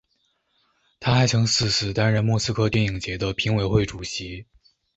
他还曾四次担任莫斯科电影节的评委会主席。